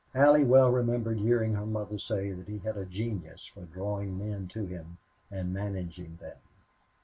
Allie well remembered hearing her mother say that he had a genius for drawing men to him and managing them.